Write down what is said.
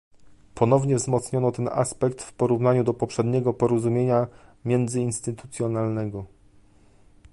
Ponownie wzmocniono ten aspekt w porównaniu do poprzedniego porozumienia międzyinstytucjonalnego